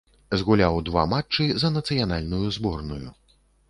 Згуляў два матчы за нацыянальную зборную.